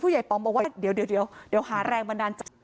ผู้ใหญ่ป๋องบอกว่าเดี๋ยวเดี๋ยวหาแรงบันดาลจาก